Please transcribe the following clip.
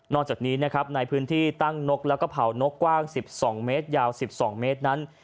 จากนี้นะครับในพื้นที่ตั้งนกแล้วก็เผานกกว้าง๑๒เมตรยาว๑๒เมตรนั้น